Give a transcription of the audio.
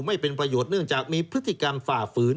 ไม่เป็นประโยชน์เนื่องจากมีพฤติกรรมฝ่าฝืน